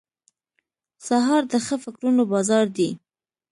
سهار د ښه فکرونو بازار دی.